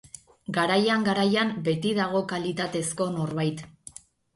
Garaian-garaian beti dago kalitatezko norbait.